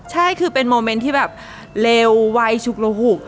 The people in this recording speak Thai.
ใช่คือเป็นโมเมนต์ที่แบบเร็ววัยฉุกระหุก